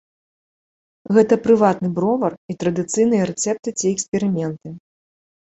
Гэта прыватны бровар і традыцыйныя рэцэпты ці эксперыменты.